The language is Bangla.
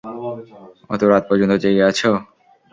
ওতো রাত পর্যন্ত জেগে আছো?